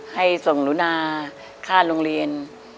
ให้ส่งหนูนาค่าโรงเรียน